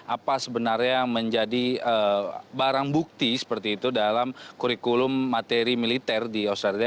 apa sebenarnya yang menjadi barang bukti seperti itu dalam kurikulum materi militer di australia